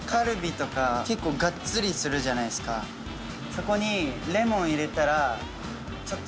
そこに。